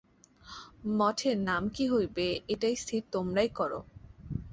মঠের নাম কি হইবে এইটা স্থির তোমরাই কর।